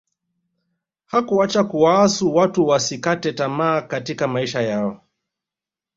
hakuacha kuwaasa watu wasikate tamaa katika maisha yao